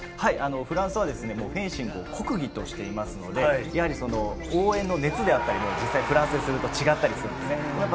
フランスはフェンシングを国技としていますので、応援の熱であったり、実際、違ったりするんです。